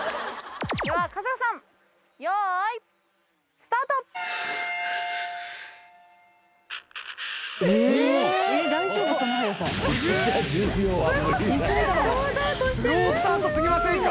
スロースタートすぎませんか？